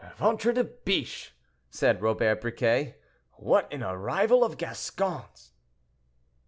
"Ventre de Biche!" said Robert Briquet; "what an arrival of Gascons!"